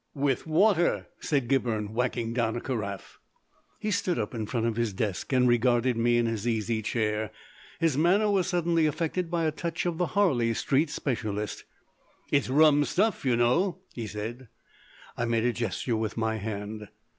"With water," said Gibberne, whacking down a carafe. He stood up in front of his desk and regarded me in his easy chair; his manner was suddenly affected by a touch of the Harley Street specialist. "It's rum stuff, you know," he said. I made a gesture with my hand.